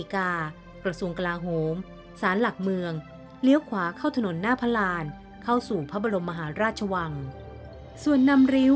เข้าสู่พระบรมราชวังส่วนนำฟื้นชีพและสักตัวการสามารถอาลงในภาวะเกิดข้มหาิก